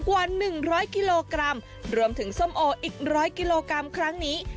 กว่า๑๐๐กิโลกรัมรวมถึงส้มโออีก๑๐๐กิโลกรัมครั้งนี้